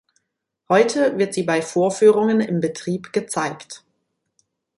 Heute wird sie bei Vorführungen im Betrieb gezeigt.